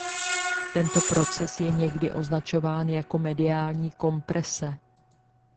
Tento proces je někdy označován jako mediální komprese.